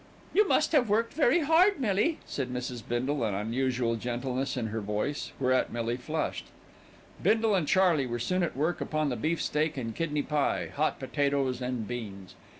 "You must have worked very hard, Millie," said Mrs. Bindle, an unusual gentleness in her voice, whereat Millie flushed. Bindle and Charley were soon at work upon the beef steak and kidney pie, hot potatoes and beans.